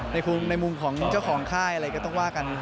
ในมุมของเจ้าของค่ายอะไรก็ต้องว่ากัน